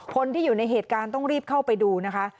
คนที่อยู่ในเหตุการณ์ต้องรีบเข้าไปดูนะคะ